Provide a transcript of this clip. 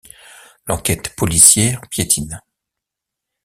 L'enquête policière piétine.